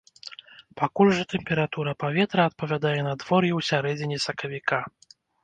Пакуль жа тэмпература паветра адпавядае надвор'ю ў сярэдзіне сакавіка.